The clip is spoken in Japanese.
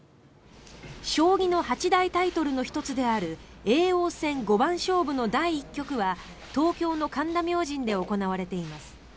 将棋の８大タイトルの１つである叡王戦五番勝負の第１局は東京の神田明神で行われています。